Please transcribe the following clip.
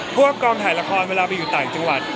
พวกกองถ่ายละครเวลาไปอยู่ใต้จังหวัด